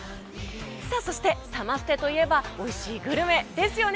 そして、サマステといえばおいしいグルメですよね？